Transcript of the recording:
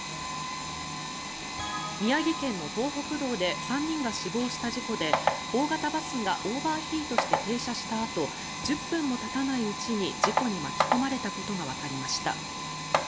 宮城県の東北道で３人が死亡した事故で大型バスがオーバーヒートして停車したあと１０分もたたないうちに事故に巻き込まれたことがわかりました。